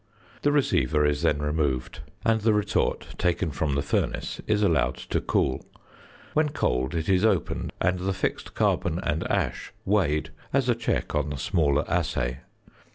The receiver is then removed, and the retort, taken from the furnace, is allowed to cool. When cold it is opened, and the fixed carbon and ash weighed, as a check on the smaller assay.